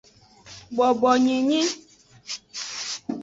Boboenyenye.